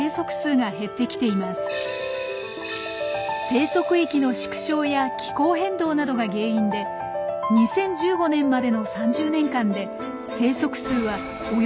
生息域の縮小や気候変動などが原因で２０１５年までの３０年間で生息数はおよそ４割も減少。